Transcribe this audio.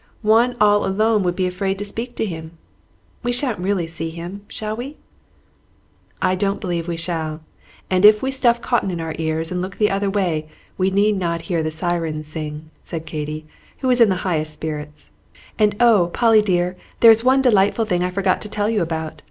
One all alone would be afraid to speak to him. We shan't really see him, shall we?" "I don't believe we shall; and if we stuff cotton in our ears and look the other way, we need not hear the sirens sing," said Katy, who was in the highest spirits. "And oh, Polly dear, there is one delightful thing I forgot to tell you about.